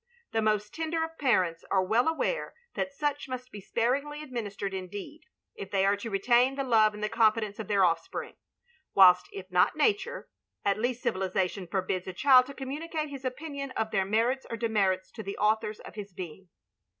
The most tender of parents are well aware that such must be sparingly administered indeed, if they are to retain the love and the confidence of their offspring; whilst if not Nature, at least civilisation forbids a child to communicate his opinion of their merits or demerits to the authors of his being.